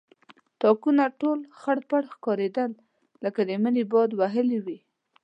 تاکونه ټول خړپړ ښکارېدل لکه د مني باد وهلي وي.